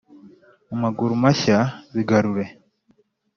mu maguru mashya bigarure